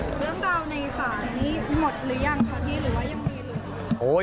เรื่องราวในศาลนี้หมดหรือยังคะพี่หรือว่ายังมีเลย